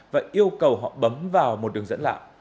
và yêu cầu họ bấm vào một đường dẫn lạ